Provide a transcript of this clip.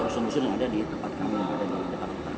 rusun rusun yang ada di tempat kami di depan kita